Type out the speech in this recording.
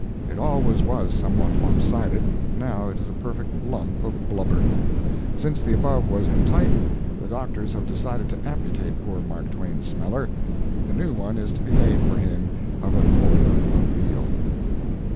It always was somewhat lopsided; now it is a perfect lump of blubber. Since the above was in type, the doctors have decided to amputate poor Mark Twain's smeller. A new one is to be made for him of a quarter of veal.